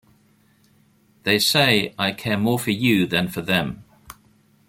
They say I care more for you than for them.